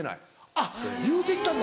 あっ言うて行ったんだ。